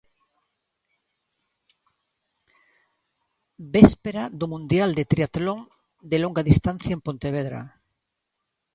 Véspera do Mundial de Tríatlon de longa distancia en Pontevedra.